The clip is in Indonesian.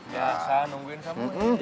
gak usah nungguin samuel